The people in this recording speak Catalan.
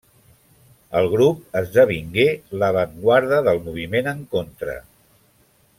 El grup esdevingué l'avantguarda del moviment en contra.